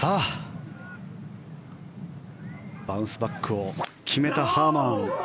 バウンスバックを決めたハーマン。